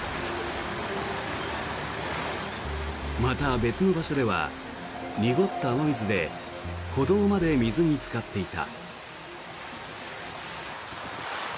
また、別の場所では濁った雨水で歩道まで水につかっていた。